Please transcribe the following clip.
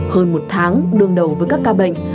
hơn một tháng đương đầu với các ca bệnh